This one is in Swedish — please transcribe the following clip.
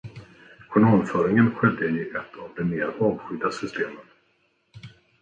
Journalföringen skedde i ett av de mer avskydda systemen